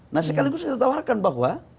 nah sekaligus saya tawarkan bahwa